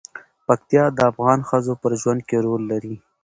پکتیا د افغان ښځو په ژوند کې رول لري.